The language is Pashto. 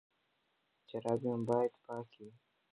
جرابې مو باید پاکې وي.